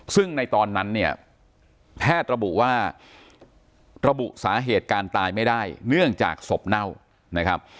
ซึ่งในตอนนั้นเนี่ยแพทย์ระบุว่าระบุสาเหตุการตายไม่ได้เนื่องจากศพเน่านะครับ